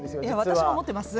私も持ってます。